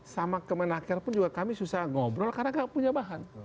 sama kemen akhir pun juga kami susah ngobrol karena nggak punya bahan